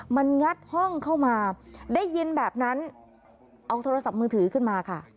มันงัดห้องเข้ามาได้ยินแบบนั้นเอาโทรศัพท์มือถือขึ้นมาค่ะ